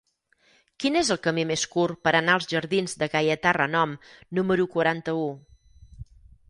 Quin és el camí més curt per anar als jardins de Gaietà Renom número quaranta-u?